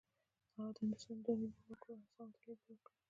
هغه د هندوستان د دوه میلیونه وګړو اذهانو ته لېږد ورکړ